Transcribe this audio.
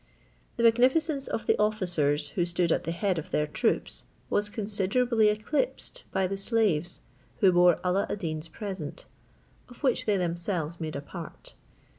The magnificence of the officers, who stood at the head of their troops, was considerably eclipsed by the slaves who bore Alla ad Deen's present, of which they themselves made a part.